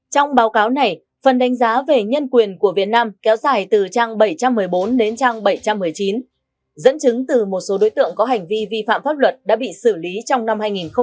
trong báo cáo này phần đánh giá về nhân quyền của việt nam kéo dài từ trang bảy trăm một mươi bốn đến trang bảy trăm một mươi chín dẫn chứng từ một số đối tượng có hành vi vi phạm pháp luật đã bị xử lý trong năm hai nghìn một mươi chín